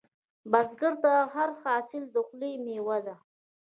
بزګر ته هر حاصل د خولې میوه ده